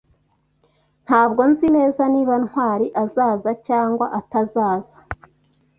Ntabwo nzi neza niba Ntwali azaza cyangwa atazaza.